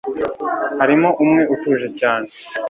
harimo umwe utuje cyane